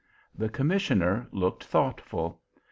The commissioner looked thoughtful.